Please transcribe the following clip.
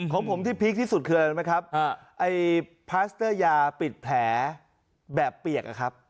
ข้อผมที่ภีคที่สุดอย่างไรครับไอ้พาร์สเตอร์ยาปิดแผลแบบเปียกครับ